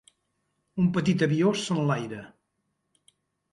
Un petit avió s'enlaira.